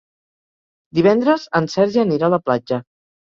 Divendres en Sergi anirà a la platja.